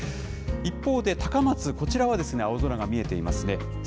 一方で、高松、こちらは青空が見えていますね。